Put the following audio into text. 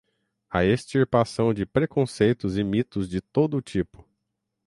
a extirpação de preconceitos e mitos de todo tipo